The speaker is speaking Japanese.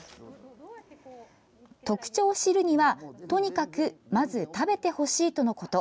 特徴を知るには、とにかくまず食べてほしいとのこと。